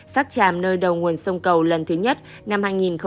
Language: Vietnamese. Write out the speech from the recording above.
sát tràm nơi đầu nguồn sông cầu lần thứ nhất năm hai nghìn hai mươi bốn